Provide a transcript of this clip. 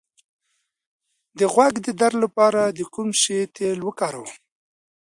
د غوږ د درد لپاره د کوم شي تېل وکاروم؟